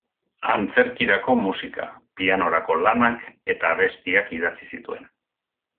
Antzerkirako musika, pianorako lanak eta abestiak idatzi zituen.